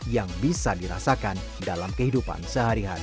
yang bisa dirasakan dalam kehidupan sehari hari